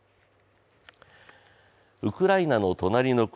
ウクライナの隣の国